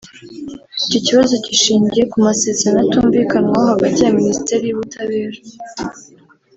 Icyo kibazo gishingiye ku masezerano atumvikanwaho hagati ya Ministeri y’Ubutabera